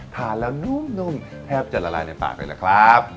ทานแล้วนุ่มแทบจะละลายในปากเลยล่ะครับ